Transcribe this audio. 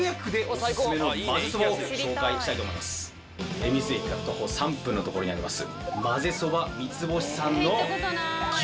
恵比寿駅から徒歩３分の所にあります。